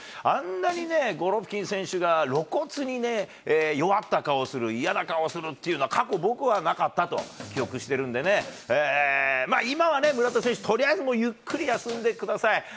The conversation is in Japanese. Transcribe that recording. あんなにね、ゴロフキン選手が露骨にね、弱った顔をする、嫌な顔をするっていうのは、過去、僕はなかったと記憶してるんでね、今はね、村田選手、とりあえずゆっくり休んでください。